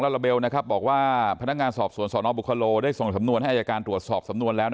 ลาลาเบลบอกว่าพนักงานสอบสวนสนบุคโลได้ส่งสำนวนให้อายการตรวจสอบสำนวนแล้ว